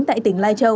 tại tỉnh lai trang